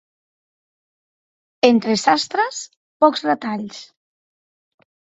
Entre sastres, pocs retalls.